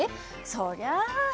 そりゃあね